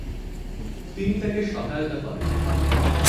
তিনি তাকে সহায়তা করেন।